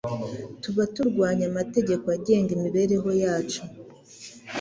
tuba turwanya amategeko agenga imibereho yacu,